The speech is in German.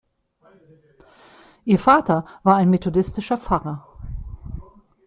Ihr Vater war ein methodistischer Pfarrer.